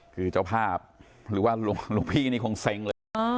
คือเจ้าภาพหรือว่าลูกพี่คงซิงเลย